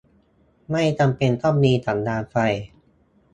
ไม่จำเป็นต้องมีสัญญาณไฟ